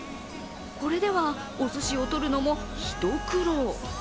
これではおすしを取るのも一苦労。